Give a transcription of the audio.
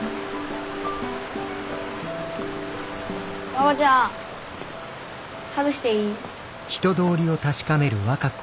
和歌ちゃん外していい？